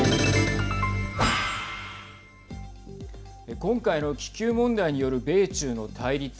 今回の気球問題による米中の対立。